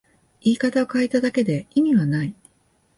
言い方を変えただけで意味はない